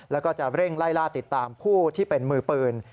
แล้วก็จะเร่งไล่ล่าติดตามผู้ที่เป็นมือปืน